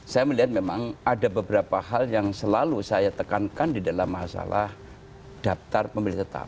saya melihat memang ada beberapa hal yang selalu saya tekankan di dalam masalah daftar pemilih tetap